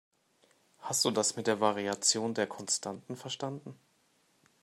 Hast du das mit der Variation der Konstanten verstanden?